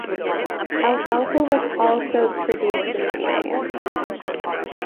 Alfalfa was also produced in the area.